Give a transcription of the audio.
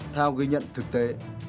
theo ghi nhận thực tế